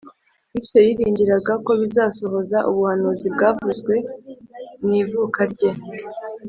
. Bityo yiringiraga ko bizasohoza ubuhanuzi bwavuzwe mw’ivuka rye